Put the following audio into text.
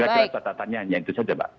saya kira catatannya hanya itu saja mbak